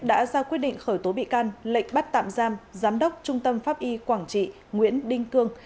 đã ra quyết định khởi tố bị can lệnh bắt tạm giam giám đốc trung tâm pháp y quảng trị nguyễn đinh cương